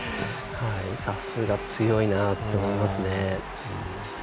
さすが、強いなと思いますね。